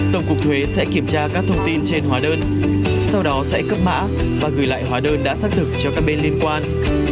tổng cục thuế sẽ kiểm tra các thông tin trên hóa đơn sau đó sẽ cấp mã và gửi lại hóa đơn đã xác thực cho các bên liên quan